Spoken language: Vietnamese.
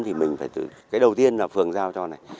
thì mình phải cái đầu tiên là phường giao cho này